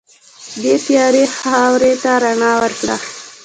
دې تیاره خاورې ته رڼا ورکړه.